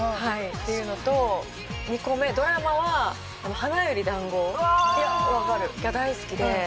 っていうのと２個目ドラマは『花より男子』が大好きで。